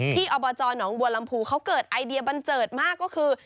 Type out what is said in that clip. อบจหนองบัวลำพูเขาเกิดไอเดียบันเจิดมากก็คือ